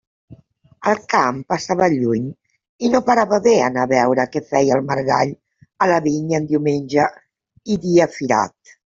El camp estava lluny i no parava bé anar a veure què feia el margall a la vinya en diumenge i dia firat.